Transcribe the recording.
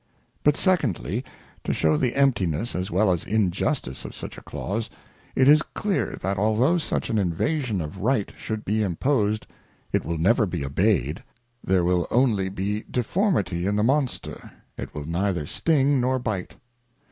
But secondly, to shew the emptiness as well as injustice of such a Clause, it is clear, that although such an Invasion of Right should be imposed, it will never be obeyed : There will only be Deformity in the Monster, it will neither sting nor bite.